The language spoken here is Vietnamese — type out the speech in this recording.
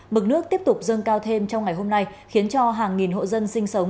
mực nước tiếp tục dâng cao thêm trong ngày hôm nay khiến cho hàng nghìn hộ dân sinh sống